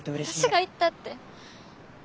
私が行ったって。